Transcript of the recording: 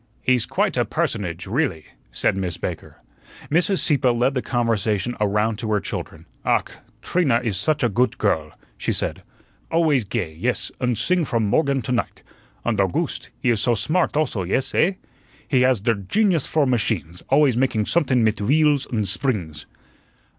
"He's quite a personage really," said Miss Baker. Mrs. Sieppe led the conversation around to her children. "Ach, Trina is sudge a goote girl," she said; "always gay, yes, und sing from morgen to night. Und Owgooste, he is soh smart also, yes, eh? He has der genius for machines, always making somethun mit wheels und sbrings."